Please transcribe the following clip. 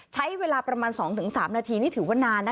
ใช้เวลาประมาณ๒๓นาทีนี่ถือว่านานนะคะ